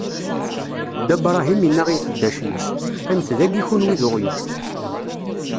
Dda Bṛahim inna i iqeddacen-is: Qqimet dagi kenwi d uɣyul.